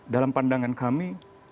dalam pandangan kami